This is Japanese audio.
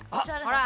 ほら。